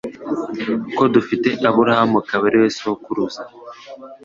Ko dufite Aburahamu akaba ariwe sogokuruza